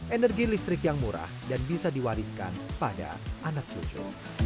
energi listrik yang murah dan bisa diwariskan pada anak cucu